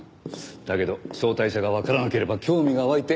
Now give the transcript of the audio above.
だけど招待者がわからなければ興味が湧いて。